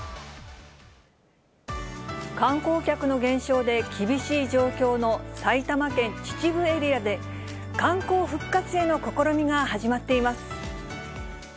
観光客の減少で厳しい状況の埼玉県秩父エリアで、観光復活への試みが始まっています。